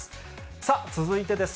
さあ、続いてです。